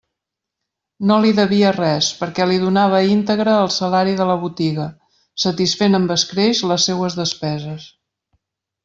No li devia res, perquè li donava íntegre el salari de la botiga, satisfent amb escreix les seues despeses.